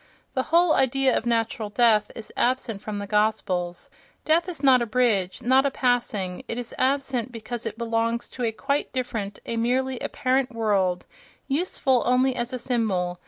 The whole idea of natural death is absent from the Gospels: death is not a bridge, not a passing; it is absent because it belongs to a quite different, a merely apparent world, useful only as a symbol.